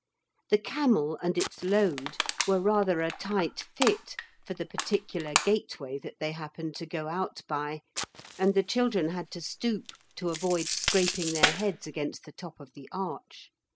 The camel and its load were rather a tight fit for the particular gateway that they happened to go out by, and the children had to stoop to avoid scraping their heads against the top of the arch.